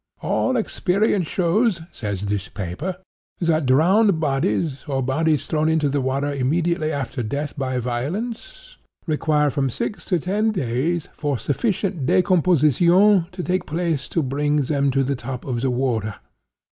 'All experience shows,' says this paper, 'that drowned bodies, or bodies thrown into the water immediately after death by violence, require from six to ten days for sufficient decomposition to take place to bring them to the top of the water.